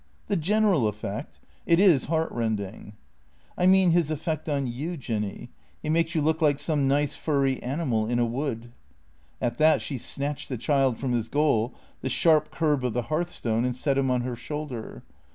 " The general effect ? It is heartrending." "I mean his effect on you, Jinny. He makes you look like some nice, furry animal in a wood." At that she snatched the child from his goal, the sharp curb of the hearthstone, and set him on her shoulder.